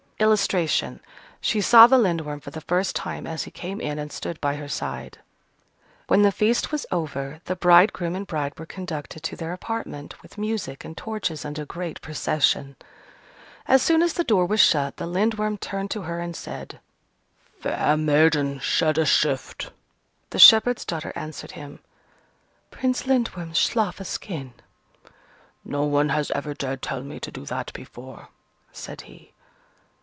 [Illustration: She saw the Lindworm for the first time as he came in and stood by her side.] When the feast was over, the bridegroom and bride were conducted to their apartment, with music, and torches, and a great procession. As soon as the door was shut, the Lindworm turned to her and said, "Fair maiden, shed a shift!" The shepherd's daughter answered him, "Prince Lindworm, slough a skin!" "No one has ever dared tell me to do that before!" said he.